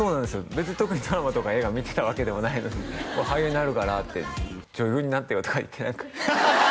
別に特にドラマとか映画見てたわけでもないのに「俺俳優になるから」って「女優になってよ」とかハハハ！